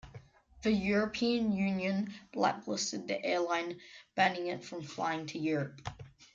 The European Union blacklisted the airline, banning it from flying to Europe.